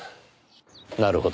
なるほど。